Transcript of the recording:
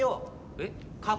えっ？